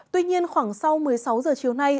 tuy nhiên khoảng sau một mươi sáu giờ chiều nay